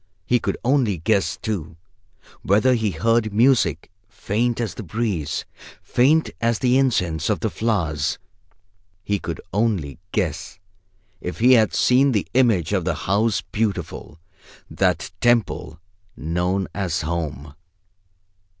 He could only guess, too, whether he heard music, faint as the breeze, faint as the incense of the flowers. He could only guess if he had seen the image of the House Beautiful, that temple known as Home.